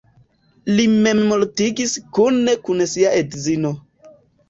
Li memmortigis kune kun sia edzino.